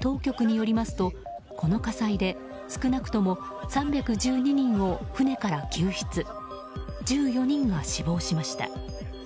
当局によりますとこの火災で、少なくとも３１２人を船から救出１４人が死亡しました。